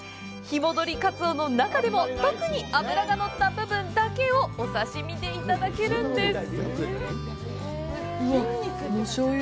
日戻りカツオの中でも特に脂が乗った部分だけをお刺身でいただけるんです。